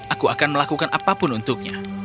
aku akan melakukan apapun untuknya